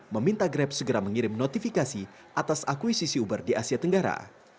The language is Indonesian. meminta grab segera mengirim notifikasi atas akuisisi uber di asia tenggara